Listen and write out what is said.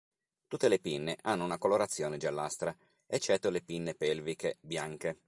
Tutte le pinne hanno una colorazione giallastra eccetto le pinne pelviche, bianche.